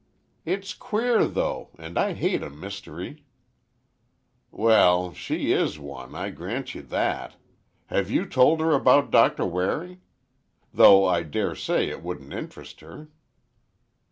"It's queer, though. And I hate a mystery." "Well, she is one—I grant you that. Have you told her about Doctor Waring? Though I daresay it wouldn't interest her."